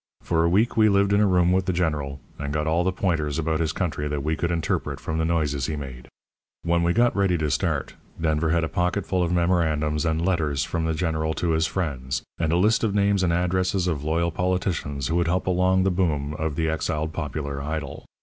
For a week we lived in a room with the General, and got all the pointers about his country that we could interpret from the noises he made. When we got ready to start, Denver had a pocket full of memorandums, and letters from the General to his friends, and a list of names and addresses of loyal politicians who would help along the boom of the exiled popular idol.